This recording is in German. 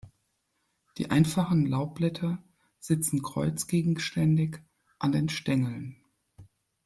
Die einfachen Laubblätter sitzen kreuzgegenständig an den Stängeln.